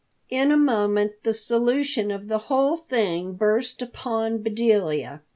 In a moment the solution of the whole thing burst upon Bedelia.